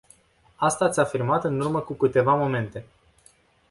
Asta ați afirmat în urmă cu câteva momente.